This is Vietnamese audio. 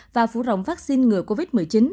và phủ rộng vaccine ngừa covid một mươi chín